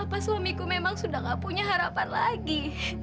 apa suamiku memang sudah gak punya harapan lagi